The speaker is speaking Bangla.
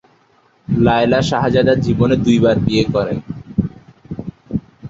লায়লা শাহজাদা জীবনে দুই বার বিয়ে করেন।